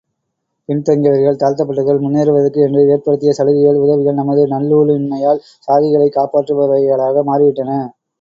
பின் தங்கியவர்கள், தாழ்த்தப்பட்டவர்கள் முன்னேறுவதற்கு என்று ஏற்படுத்திய சலுகைகள், உதவிகள் நமது நல்லூழின்மையால் சாதிகளைக் காப்பாற்றுபவைகளாக மாறிவிட்டன.